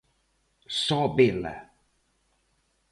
Só vela.